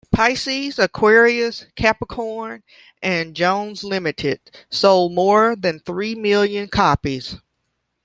"Pisces, Aquarius, Capricorn and Jones Limited" sold more than three million copies.